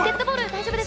大丈夫か？